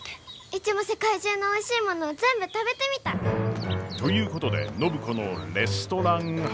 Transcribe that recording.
うちも世界中のおいしいもの全部食べてみたい！ということで暢子のレストラン初体験！